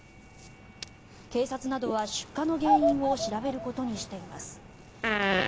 警察などは出火の原因を調べることにしています。